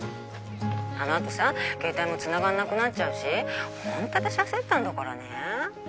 あの後さ携帯もつながんなくなっちゃうしホント私焦ったんだからね。